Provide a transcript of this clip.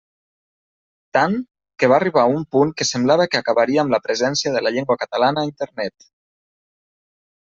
Tant, que va arribar un punt que semblava que acabaria amb la presència de la llengua catalana a Internet.